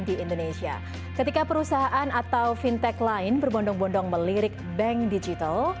di indonesia ketika perusahaan atau fintech lain berbondong bondong melirik bank digital